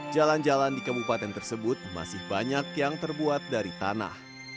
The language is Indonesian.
jalan jalan di kabupaten tersebut masih banyak yang terbuat dari tanah